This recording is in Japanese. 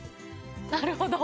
なるほど。